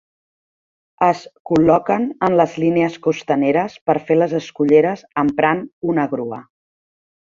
Es col·loquen en les línies costaneres per fer les esculleres emprant una grua.